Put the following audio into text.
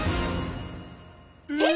えっ！